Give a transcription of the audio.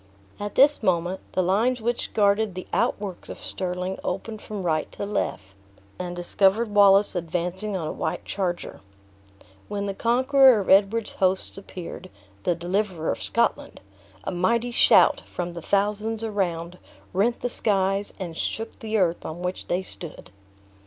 At this moment, the lines which guarded the outworks of Stirling opened from right to left, and discovered Wallace advancing on a white charger. When the conqueror of Edward's hosts appeared the deliverer of Scotland a mighty shout, from the thousands around, rent the skies, and shook the earth on which they stood.